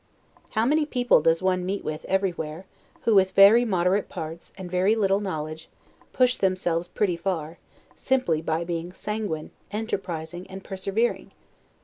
How many people does one meet with everywhere, who, with very moderate parts, and very little knowledge, push themselves pretty far, simply by being sanguine, enterprising, and persevering?